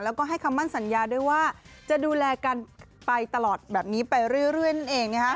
แล้วก็ให้คำมั่นสัญญาด้วยว่าจะดูแลกันไปตลอดแบบนี้ไปเรื่อยนั่นเอง